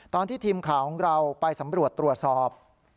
ตอนที่ทีมข่าวของเราไปสำรวจตรวจสอบ